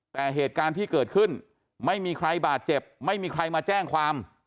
แต่เหตุการณ์ที่เกิดขึ้นไม่มีใครบาดเจ็บไม่มีใครมาแจ้งความ